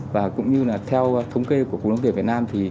và cũng như là theo thống kê của cục đăng kiểm việt nam